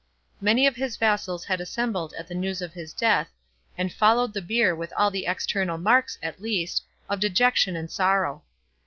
Many of his vassals had assembled at the news of his death, and followed the bier with all the external marks, at least, of dejection and sorrow.